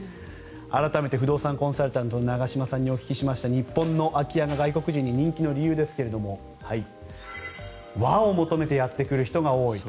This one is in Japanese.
改めて不動産コンサルタントの長嶋さんにお伺いしました日本の空き家が外国人に人気の理由ですが和を求めてやってくる人が多いと。